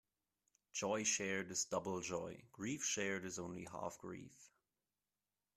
Joy shared is double joy; grief shared is only half grief.